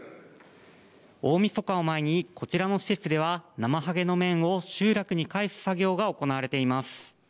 大みそかを前にこちらの施設ではなまはげの面を集落に返す作業が行われています。